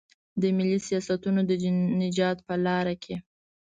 د ملي سیاستونو د نجات په لار کې.